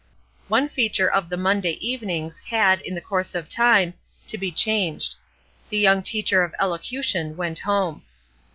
One feature of the "Monday Evenings" had, in the course of time, to be changed. The young teacher of elocution went home.